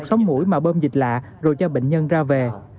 cô gái đã rút sóng mũi mà bơm dịch lạ rồi cho bệnh nhân ra về